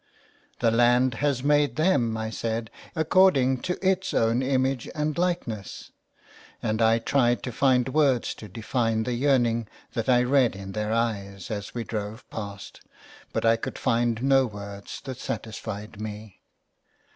*' The land has made them," I said, " according to its own image and likeness," and I tried to find words to define the yearning that I read in their eyes as we drove past. But I could find no words that satisfied me.